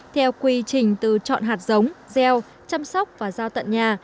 theo quy trình từ chọn hạt giống gel chăm sóc và rau tận nhà